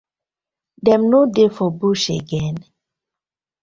Dem no dey for bush again?